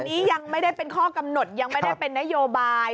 อันนี้ยังไม่ได้เป็นข้อกำหนดยังไม่ได้เป็นนโยบาย